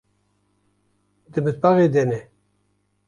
Di mitbaxê de ne.